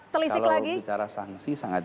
telisik lagi kalau bicara sangsi sangat